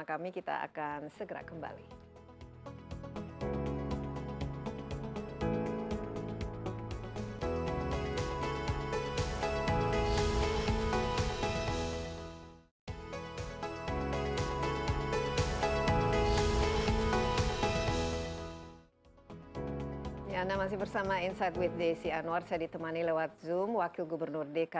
baik kita break sebentar ya pak waguh